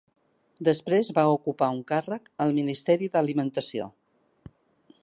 Després va ocupar un càrrec al Ministeri d'Alimentació.